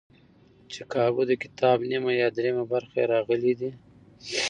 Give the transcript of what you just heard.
چې کابو دکتاب نیمه یا درېیمه برخه یې راغلي دي.